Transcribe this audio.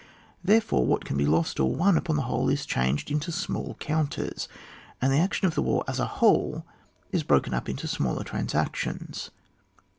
There fore, what can be lost or won upon the whole is changed into small counters, and the action of the war, as a whole, is broken up into smaller transactions.